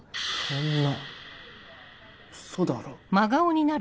そんなウソだろ。